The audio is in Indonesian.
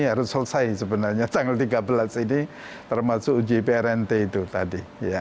harus selesai sebenarnya tanggal tiga belas ini termasuk uji prnt itu tadi